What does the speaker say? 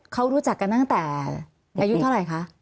เขารู้จักกันตั้งแต่อายุเท่าไหร่คะ